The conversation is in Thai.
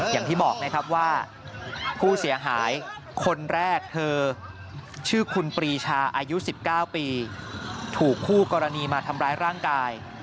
อย่างที่บอกนะครับว่าผู้เสียหายคนแรกเธอชื่อคุณปรีชาอายุ๑๙ปีถูกคู่กรณีมาทำร้ายร่างกาย